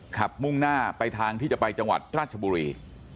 มุ่งหน้าไปทางที่จะไปจังหวัดราชบุรี